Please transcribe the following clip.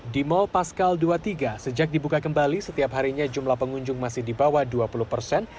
di mall pascal dua puluh tiga sejak dibuka kembali setiap harinya jumlah pengunjung masih di bawah dua puluh persen